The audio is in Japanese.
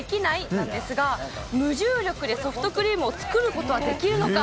なんですが、無重力でソフトクリームを作ることはできるのか？